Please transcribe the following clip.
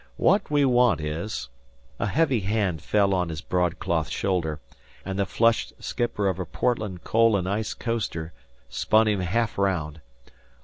What we want is " A heavy hand fell on his broadcloth shoulder, and the flushed skipper of a Portland coal and ice coaster spun him half round.